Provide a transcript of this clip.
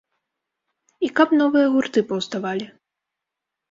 І каб новыя гурты паўставалі.